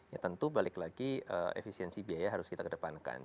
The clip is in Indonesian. ya tentu balik lagi efisiensi biaya harus kita kedepankan